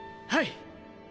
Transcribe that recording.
はい！